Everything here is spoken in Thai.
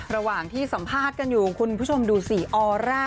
ระหว่างที่สัมภาษณ์กันอยู่คุณผู้ชมดูสิออร่า